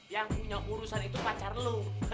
yang punya urusan itu pacar lu